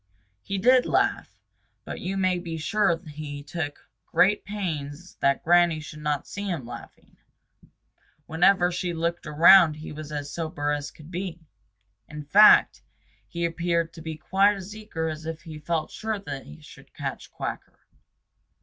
He did laugh, but you may be sure he took great pains that Granny should not see him laughing. Whenever she looked around he was as sober as could be. In fact, he appeared to be quite as eager as if he felt sure they would catch Quacker.